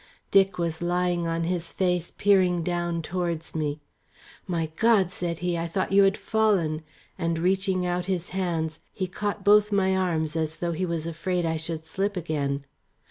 Dick was lying on his face peering down towards me. "My God," said he, "I thought you had fallen;" and reaching out his hands, he caught both my arms as though he was afraid I should slip again.